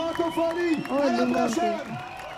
Odunga nguw'o